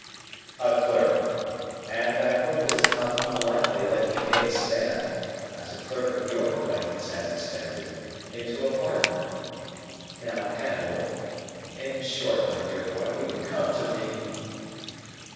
"A clerk. And I hope it is not at all unlikely that he may expand (as a clerk of your acquaintance has expanded) into a partner. Now, Handel,—in short, my dear boy, will you come to me?"